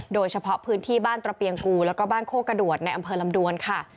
โดยเฉพาะพื้นที่บ้านตระเปียงกูแล้วก็บ้านโคกระดวดในอำเภอลำดวนค่ะ